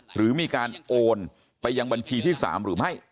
หรือมีการโอนไปยังบัญชีที่๓หรือไม่